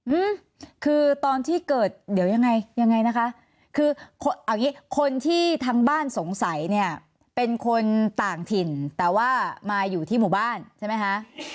อืมคือตอนที่เกิดเดี๋ยวยังไงยังไงนะคะคือคนเอาอย่างงี้คนที่ทางบ้านสงสัยเนี่ยเป็นคนต่างถิ่นแต่ว่ามาอยู่ที่หมู่บ้านใช่ไหมคะ